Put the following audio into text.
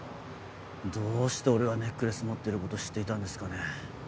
どうして俺がネックレス持ってること知っていたんですかね？